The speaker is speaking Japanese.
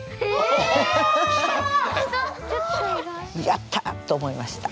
「やった！」と思いました。